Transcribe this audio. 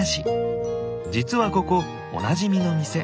実はここおなじみの店。